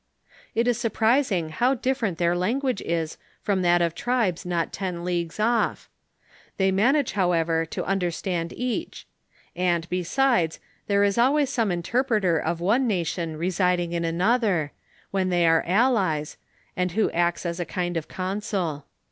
It is surprising how different their language is from that of tribes not ten leagues off ; they manage, however, to un derstand each ; and, besides, there is always some interpreter of one nation residing in anothei*, when they are allies, and who acts as a kind of consul.